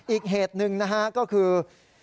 อีกเหตุหนึ่งนะฮะก็คือ